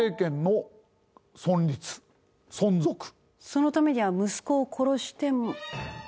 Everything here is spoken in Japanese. そのためには息子を殺しても。